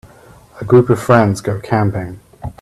a group of friends go camping